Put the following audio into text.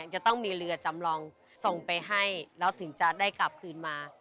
จะต้องมีเรือจำลองส่งไปให้แล้วถึงจะได้กลับคืนมา